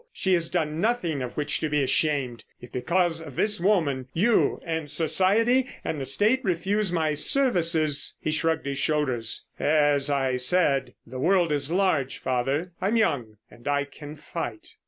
She has done nothing of which to be ashamed. If because of this woman you and society and the State refuse my services"—he shrugged his shoulders—"as I said, the world is large, father. I'm young, and I can fight."